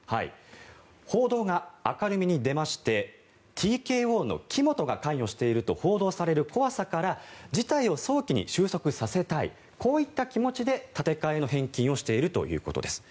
報道が明るみに出ましてＴＫＯの木本が関与していると報道される怖さから事態を早期に収束させたいこういった気持ちで建て替えの返金をしているということです。